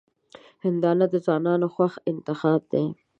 هندوانه د ځوانانو خوښ انتخاب دی.